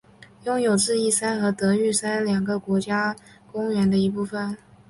拥有智异山和德裕山两个国家公园的一部份。